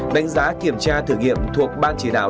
đánh giá kiểm tra thử nghiệm thuộc ban chỉ đạo